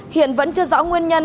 hiện vẫn chưa rõ nguyên nhân